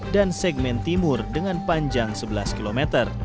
dan segmen timur dengan panjang sebelas km